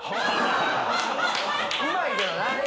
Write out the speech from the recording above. うまいけどな。